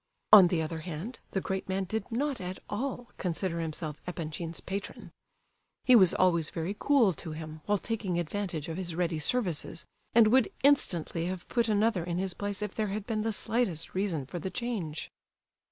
On the other hand, the great man did not at all consider himself Epanchin's patron. He was always very cool to him, while taking advantage of his ready services, and would instantly have put another in his place if there had been the slightest reason for the change.